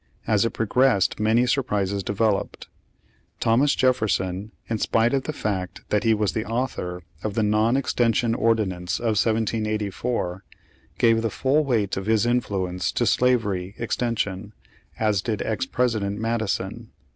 As it progressed many surprises developed. Thomas Jefferson, in spite of the fact that he was the author of the non extension Ordi »The American Conflict, Vol. I, p. 120. Page Seventeen nance of 1784, gave the full weight of his influence to slavery extension, as did ex President Madison.